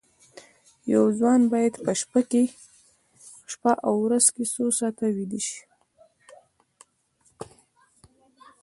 یو ځوان باید په شپه او ورځ کې څو ساعته ویده شي